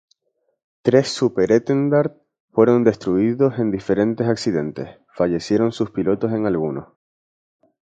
Tres Super Étendard fueron destruidos en diferentes accidentes, falleciendo sus pilotos en algunos.